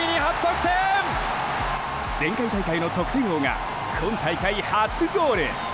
前回大会の得点王が今大会初ゴール。